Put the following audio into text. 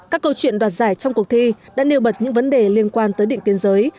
các câu chuyện đoạt giải trong cuộc thi đã nêu bật những vấn đề liên quan tới định tiến giới